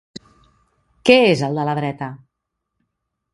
Què és el de la dreta?